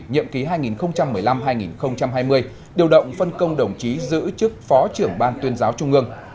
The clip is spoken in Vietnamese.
nhiệm ký hai nghìn một mươi năm hai nghìn hai mươi điều động phân công đồng chí giữ chức phó trưởng ban tuyên giáo trung ương